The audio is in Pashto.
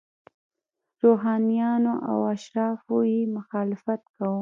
روحانینو او اشرافو یې مخالفت کاوه.